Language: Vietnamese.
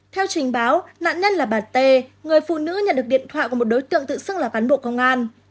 theo trình báo nạn nhân là bà t người phụ nữ nhận được điện thoại của một đối tượng tự xưng là cán bộ công an